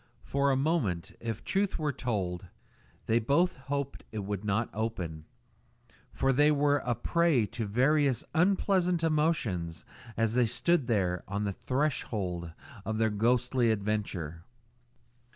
For a moment, if truth were told, they both hoped it would not open, for they were a prey to various unpleasant emotions as they stood there on the threshold of their ghostly adventure.